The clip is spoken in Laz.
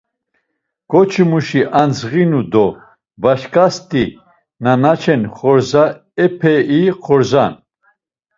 Ǩoçmuşi andzğinu do başǩasti na naçen xordza epei xordza’n.